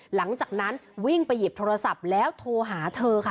หลังจากนั้นวิ่งไปหยิบโทรศัพท์แล้วโทรหาเธอค่ะ